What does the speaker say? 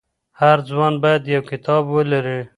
هر ځوان بايد يو کتاب ولري.